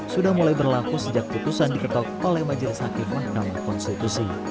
sudah mulai berlaku sejak putusan diketok oleh majelis hakim mahkamah konstitusi